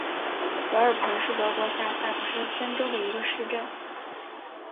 德尔彭是德国下萨克森州的一个市镇。